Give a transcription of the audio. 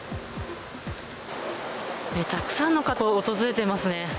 たくさんの方が訪れていますね。